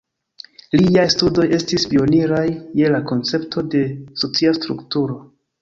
Liaj studoj estis pioniraj je la koncepto de socia strukturo.